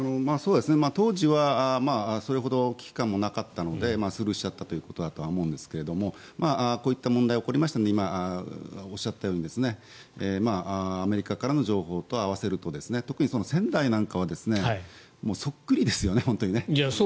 当時はそれほど危機感もなかったのでスルーしちゃったということだと思うんですがこういった問題が起こりましたので今、おっしゃったようにアメリカからの情報と合わせると特に仙台なんかはそっくりですよね、本当に。